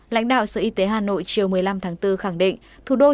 lãnh đạo sở y tế hà nội chiều một mươi năm tháng bốn khẳng định